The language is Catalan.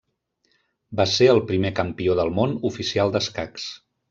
Va ser el primer campió del món oficial d'escacs.